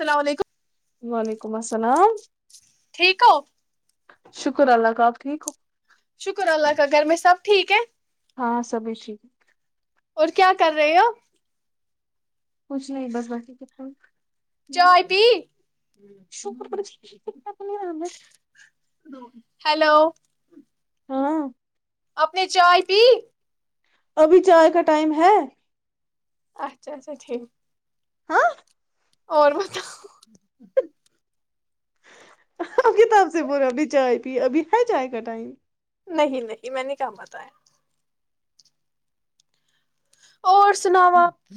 السلام علیکم [inaudible] وعلیکم السلام ٹھیک ہو شکر اللہ کا آپ ٹھیک ہو شکر اللہ کا گھر میں سب ٹھیک ہے ہاں سبھی ٹھیک ہے اور کیا کر رہے ہو کچھ نہیں بس باقی کتنا ہ چائے پی شور پرتینا اپ نہیں ر میں ہے ہیلو ہاں اپنی چائے پی ابھی چائے کا ٹائم ہے اچھا اچھا ٹھیک ہاں اور پت آپ کتاب سے ب رہے اب نے چائے پی ابھی ہے چائے کا ٹائم نہیں نہیں میں نے کہاں بتایا اور سناؤ آپ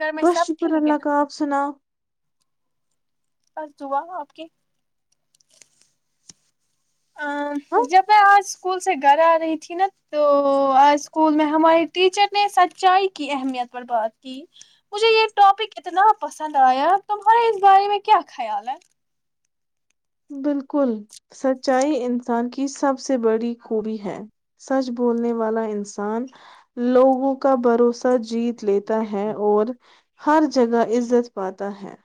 گھر میں بس سب شکر ٹھیک ہے اللہ کا آپ سناؤ بس دعا ہ آپ کی ہاں جب میں آج اسکول سے گھر آ رہی تھی نا تو آج اسکول میں ہمارے ٹیچر نے سچائی کی اہمیت پر بات کی مجھے یہ ٹاپک اتنا پسند آیا تمہارے اس بارے میں کیا خیال ہے بالکل سچائی انسان کی سب سے بڑی خوبی ہے سچ بولنے والا انسان لوگوں کا بھروسہ جیت لیتا ہے اور ہر جگہ عزت پاتا ہے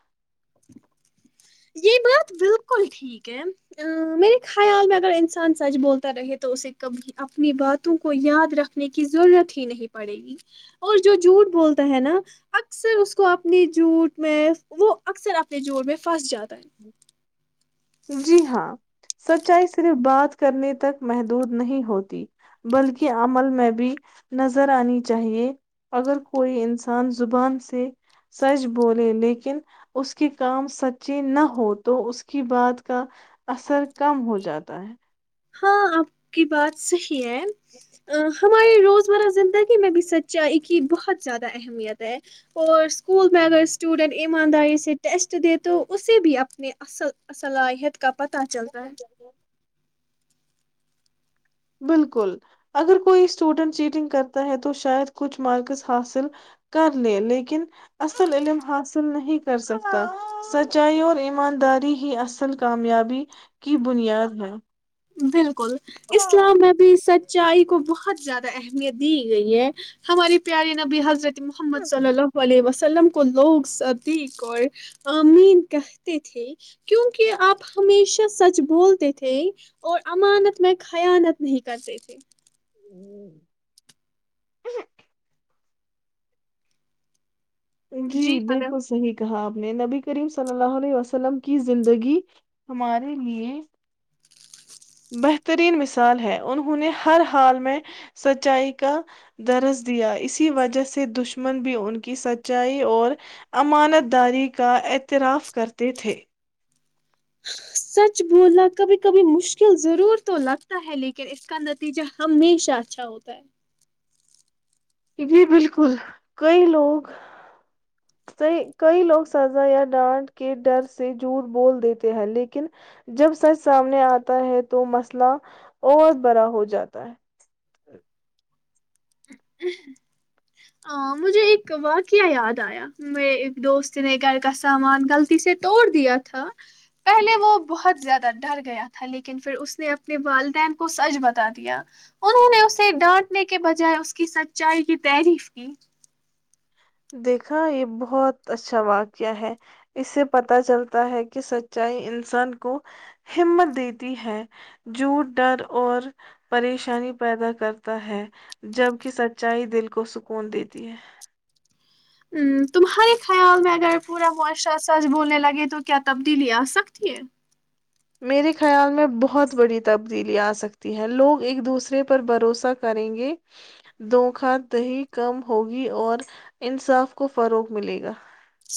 یہ بات بالکل ٹھیک ہے ا میرے خیال میں اگر انسان سچ بولتا رہے تو اسے کبھی اپنی باتوں کو یاد رکھنے کی ضرورت ہی نہیں پڑے گی اور جو جھوٹ بولتا ہے نا اکثر اس کو اپنی جھوٹ میں وہ اکثر اپنے جھوٹ میں پھس جیاد ہے جی ہاں سچائی صرف بات کرنے تک محدود نہیں ہوتی بلکہ عمل میں بھی نظر آنی چاہیے اگر کوئی انسان زبان سے سچ بولے لیکن اس کے کام سچی نہ ہو تو اس کی بات کا اثر کم ہو جاتا ہے ہاں آپ کی بات صحیح ہے ہماری روزمرہ زندگی میں بھی سچائی کی بہت زیادہ اہمیت ہے اور اسکول میں اگر اسٹوڈنٹ ایمانداری سے ٹیسٹ دے تو اسے بھی اپنے اصل صلاحیت کا پتہ چلتا ہے بالکل اگر کوئی اسٹوڈینٹ چیٹنگ کرتا ہے تو شاید کچھ مارکس حاصل کر لے لیکن اصل علم حاصل نہیں کر سکتا سچائی اور ایمانداری ہی اصل کامیابی کی بنیاد ہے بالکل اسلام میں بھی سچ چائی کو بہت زیادہ اہمیت دی گئی ہے ہماری پیاری نبی حضرت محمد چلو ہو واللی ب سلم کو لوگ صدیق اور آمین کہتے تھے کیونکہ آپ ہمیشہ سچ بولتے تھے اور امانت میں خیانت نہیں کرتے تھے ہوں جی بالکل صحیح کہ آپ نے نبی کریم صلی اللہ علیہ وسلم کی زندگی ہمارے لیے بہترین مثال ہے انہوں نے ہر حال میں سچائی کا درس دیا اسی وجہ سے دشمن بھی ان کی سچائی اور امانت داری کا اعتراف کرتے تھے سچ بولنا کبھی کبھی مشکل ضرور تو لگتا ہے لیکن اس کا نتیجہ ہمیشہ اچھا ہوتا ہے جی بالکل کئی لوگ کئی لوگ سزا یا ڈانٹ کے ڈر سے جوٹ بول دیتے ہیں لیکن جب سچ سامنے آتا ہے تو مسئلہ اور بڑا ہو جاتا ہے [unintelligible] مجھے ایک واقعہ یاد آیا مے ایک دوست نے گھر کا سامان غلطی سے توڑ دیا تھا پہلے وہ بہت زیادہ ڈر گیا تھا لیکن پھر اس نے اپنے والدین کو سچ بتا دیا انہوں نے اسے ڈانٹنے کے بجائے اس کی سچائی کی تعریف ج دیکھا یہ بہت اچھا واقعہ ہے اس سے پتا چلتا ہے کہ سچائی انسان کو ہمت دیتی ہے جوٹ ڈر اور پریشانی پیدا کرتا ہے جبک سچائی دل کو سکون دیتی ہے ہ تمہارے خیال میں اگر پورا معاشرہ سچ بولنے لگے تو کیا تبدیلی آ سکتی ہے میرے خیال میں بہت بڑی تبدیلی آ سکتی ہے لوگ ایک دوسرے پر بھروسہ کریں گے دکھ دہی کم ہوگی اور انصاف کو فروغ ملے گا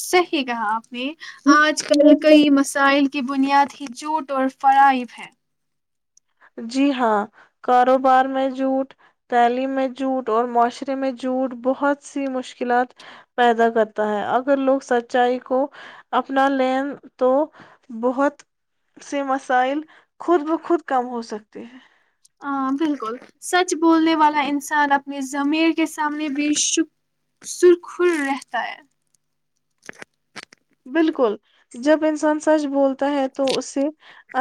صحیح کہا آپ میں آج کل کئی مسائل کی بنیاد ہی جھوٹ اور فرائب ہے جی ہاں کاروبار میں جھوٹ تعلیم میں جھوٹ اور معاشرے میں جھوٹ بہت سی مشکلات پیدا کرتا ہے اگر لوگ سچائی کو اپنا لین تو بہت سے مسائل خود ب خود کم ہو سکتی ہیں ہ بالکل سچ بولنے والا انسان اپنی ضمیر کے سامنے بھی ش سرخر رہتا ہے بالکل جب انسان سچ بولتا ہے تو اسے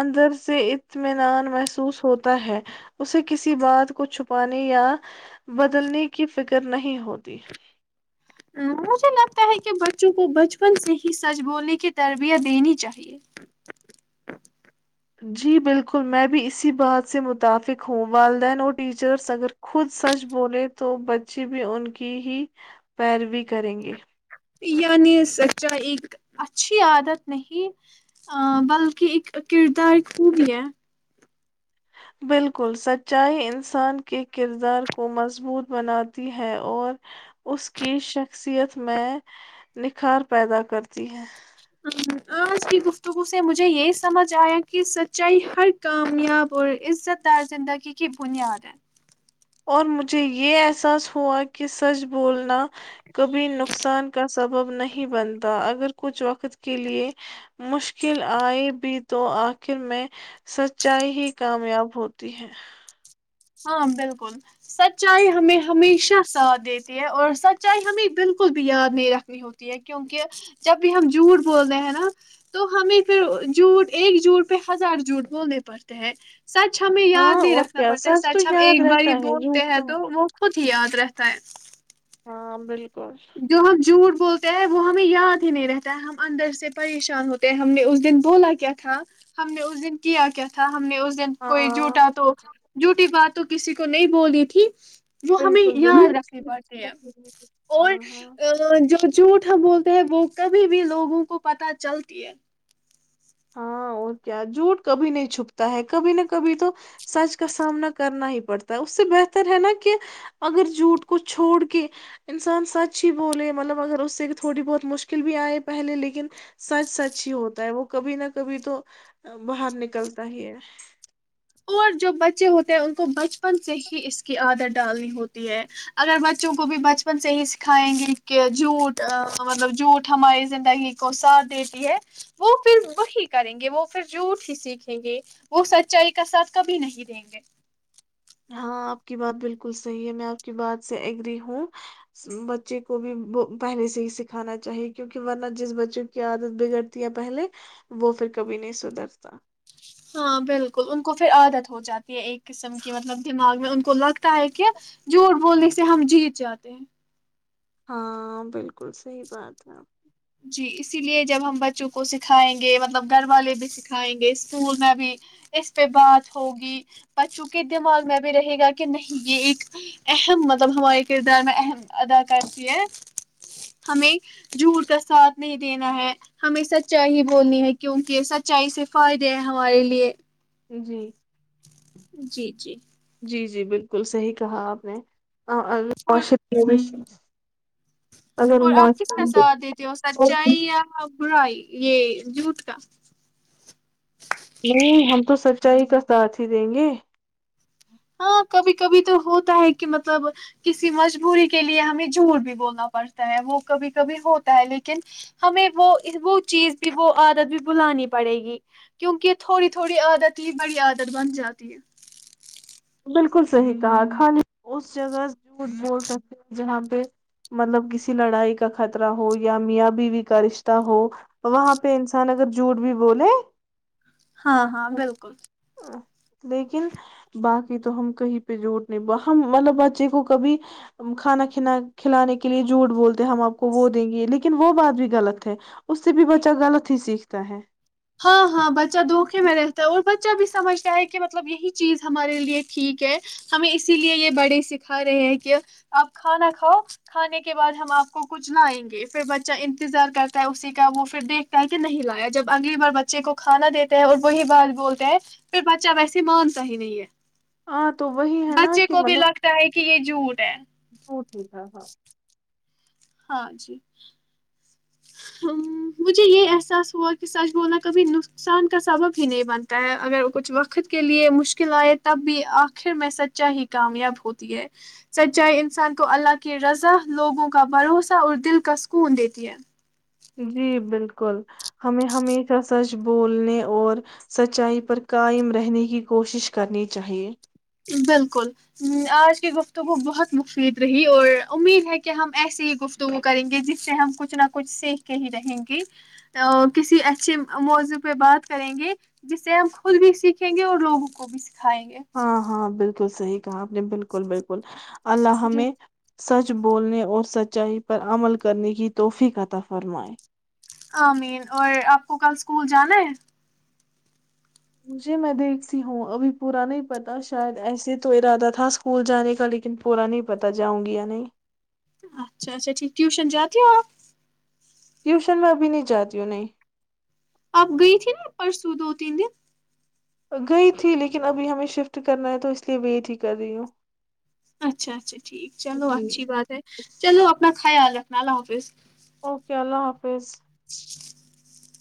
اندر سے اطمینان محسوس ہوتا ہے اسے کسی بات کو چھپانے یا بدلنے کی فکر نہیں ہوتی مجھے لگتا ہے کہ بچوں کو بچپن سے ہی سچ بولنے کی تربیت دینی چاہیے جی بالکل میں بھی اسی بات سے متفق ہوں والدین اور ٹیچرس اگر خود سچ بولیں تو بچے بھی ان کی ہی پیروی کریں گے یعنی سچا ایک اچھی عادت نہیں بلکہ ایک کردار خوب ہے بالکل سچائی انسان کے کردار کو مضبوط بناتی ہے اور اس کی شخصیت میں نکھار پیدا کرتی ہے آج کی گفتگو سے مجھے یہ سمجھ آیا کہ سچائی ہر کامیاب اور عزت دار زندگی کی بنیاد ہے اور مجھے یہ احساس ہوا کہ سچ بولنا کبھی نقصان کا سبب نہیں بنتا ا اگر کچھ وقت کے لیے مشکل آئے بھی تو آخر میں سچائی ہی کامیاب ہوتی ہے ہاں بالکل سچائی ہمیں ہمیشہ ساتھ دیتی ہے اور سچائی ہمیں بالکل بھی یاد نہیں رکھنی ہوتی ہے کیونکہ جب بھی ہم جھوٹ بول رہے ہیں نا تو ہمیں پھر جھوٹ ایک جھوٹ پہ ہزار جھوٹ بولنے پڑتے ہیں سو تچھا میں یاد ہاں نہیں اور رکھنا کیا پرڑتا تو سچ ہم ایک یاد بار ہی رہتا ہے بولتے جھوٹ ہیں تو کہاں وہ خود ھی آت ر تیں ہاںمب جو ہم جوٹ بولتے ہیں وہ ہمیں یاد ہی نہیں رہتا ہے ہم اندر سے پریشان ہوتے ہیں ہم نے اس دن بولا کیا تھا ہم نے اس دن کیا کیا تھا ہم نے اس دن کوئی ہاں جھوٹا تو جوٹی بات تو کسی کو نہیں بولی تھی جو ہمیں بالکل یاد رکھنی بالکل پڑتی ہے ہاں ہاں اور جو جوٹ ہم بولتے ہیں وہ کبھی بھی لوگوں کو پتا چلتی ہے اں کیا جوٹ کبھی نہیں چھپتا ہے کبھی نہ کبھی تو سچ کا سامنا کرنا ہی پڑتا ہے اس سے بہتر ہے نا کہ اگر جھوٹ کو چھوڑ کے انسان سچ ہی بولے مطلب اگر اس سے تھوڑی بہت مشکل بھی آئے پہلے لیکن سچ سچ ہی ہوتا ہے وہ کبھی نہ کبھی کبھی تو باہر نکلتا ہی ہے اور جو بچے ہوتے ہیں ان کو بچپن سے ہی اس کی عادت ڈالنی ہوتی ہے اگر بچوں کو بھی بچپن سے ہی سکھائیں گے کہ جھوٹ مطلب جھوٹ ہماری زندگی کو ساتھ دیتی ہے وہ پھر وہی کریں گے وہ پھر جھوٹ ہی سیکھیں گے وہ سچائی کا ساتھ کبھی نہیں دیں گے ہاں آپ کی بات بالکل صحیح ہے میں آپ کی بات سے اگری ہوں بچے کو بھی پہلے سے ہی سکھانا چاہیے کیونکہ ورنہ جس بچوں کی عادت بگڑتی ہے پہلے وہ پھر کبھی نہیں سدھرتا ہاں بالکل ان کو پھر عادت ہو جاتی ہے ایک قسم کی مطلب دمغ میں کو لگتا ہے کہ جھوٹ بونے سے ہم جیت جاتے ہیں ہاں بالکل صحی بات ہے جی اسی لیے جب ہم بچوں کو سکھائیں گے مطلب گھر والے بھی سکھائیں گے اسکول میں بھی اس پہ بات ہوگی بچوں کے دماغ میں بھی رہے گا کہ نہیں یہ ایک اہم مطلب ہمارے کردار میں اہم ادا کرتی ہے ہمیں جور کا ساتھ نہیں دینا ہے ہمیں سچائی ہی بولنی ہے کیونکہ سچائی سے فائدے ہیں ہمارے لیے جی جی جی جی جی بالکل صحیح کہا آپ نے اور آش [unintelligible] اور آپ کس کا سواد دیتے ہو سچائی یا برائی یہ جووٹ کا نہیں ہم تو سچائی کا ساتھ ہی دیں گے ہاں کبھی کبھی تو ہوتا ہے کہ مطلب کسی مجبوری کے لیے ہمیں جھوٹ بھی بولنا پڑتا ہے وہ کبھی کبھی ہوتا ہے لیکن ہمیں وہ وہ چیز بھی وہ عادت بھی بلانی پڑے گی کیونکہ تھوڑی تھوڑی عادت ہی بڑی عادت بن جاتی ہے بالکل صحیح کہا خالی اس جگہ جھوٹ بول سکتے ہیں جہاں پہ مطلب کسی لڑائی کا خطرہ ہو یا میاں بیوی کا رشتہ ہو وہاں پہ انسان اگر جھوٹ بھی بولے ہاں ہاں بالکل لیکن باقی تو ہم کہیں پہ جوٹ نہیں ہم مطلب بچے کو کبھی کھانا کھ کھلانے کے لیے جھوٹ بولتے ہم آپ کو وہ دیں گے لیکن وہ بات بھی غلط ہے اس سے بھی بچہ غلط ہی سیکھتا ہے ہاں ہاں بچہ دھوکے میں رہتا ہے اور بچہ بھی سمجھتا ہے کہ مطلب یہی چیز ہمارے لیے ٹھیک ہے ہمیں اسی لیے یہ بڑے سکھا رہے ہیں کہ آپ کھانا کھاؤ کھانے کے بعد ہم آپ کو کچھ لائیں گے پھر بچہ انتظار کرتا ہے اسی کا وہ پھر دیکھتا ہے کہ نہیں لایا جب اگلیے بچے کو کھانا دیتے ہیں اور وہی بات بولتے ہیں پھر بچہ ویسے مانتا ہی نہیں ہے ہاں تو وہی ہے بچے کو بھی لگتا ہے کہ یہ جوھوٹ ہے ج ٹھیک ہے ہاں [unintelligible] ہاں جی ہ مجھے یہ احساس ہوا کہ سچ بولنا کبھی نقصان کا سبب ہی نہیں بنتا ہے اگر کچھ وقت کے لیے مشکل آئے تب بھی آخر میں سچائی ہی کامیاب ہوتی ہے سچائی انسان کو اللہ کی رضا لوگوں کا بھروسہ اور دل کا سکون دیتی ہے جی بالکل ہمیں ہمیشہ سچ بولنے اور سچائی پر قائم رہنے کی کوشش کرنی چاہیے بالکل آج کی گفتگو بہت مفید رہی اور امید ہے کہ ہم ایسی ہی گفتگو کریں گے جس سے ہم کچھ نہ کچھ سیکھ کے ہی رہیں گے کسی اچھے موضوع پہ بات کریں گے جس سے ہم خود بھی سیکھیں گے اور لوگوں کو بھی س کھائیں گے ہاں ہاں بالکل صح کہ آپ نے بالکل بالکل اللہ جی میں سچ بولنے اور سچائی پر عمل کرنے کی توحفے کاطا فرمائے امین اور آپ کو کل اسکول جانا ہے مجھے میں دیکھتی ہوں ابھی پورا نہیں پتا شاید ایسے تو ارادہ تھا اسکول جانے کا لیکن پورا نہیں پتا جاؤں گی یا نہیں اچھا اچھا ٹھیک ٹیوشن جاتی ہو آپ ٹیوشن میں ابھی نہیں جاتی ہوں نہیں اپ گئی تھی نا پرسوں دو تین دن گئی تھی لیکن ابھی ہمیں شفٹ کرنا ہے تو اس لیے ویٹ ہی کر رہی ہوں اچھا اچھا ٹھیک چلو جی اچھی بات ہے چلو اپنا خیال رکھنا لا آفس اوکے اللہ حافظ [inaudible]